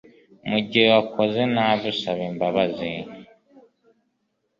mugihe wakoze nabi usba imbaba zi